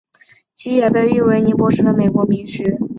其也被誉为尼泊尔的国民美食。